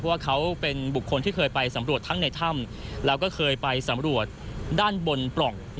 เพราะเขาเป็นบุคคลที่ไปสำรวจทั้งในถ้ำและสำรวจด้านบนปล่อง